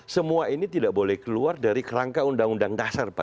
semua ini tidak boleh keluar dari kerangka undang undang dasar empat puluh lima